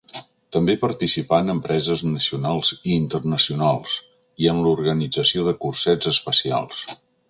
També participà en empreses nacionals i internacionals, i en l'organització de cursets especials.